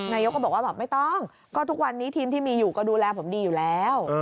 นายกก็บอกว่าแบบไม่ต้องก็ทุกวันนี้ทีมที่มีอยู่ก็ดูแลผมดีอยู่แล้ว